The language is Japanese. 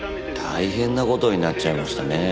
大変な事になっちゃいましたね。